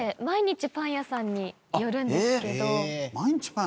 毎日パン屋さんに寄る。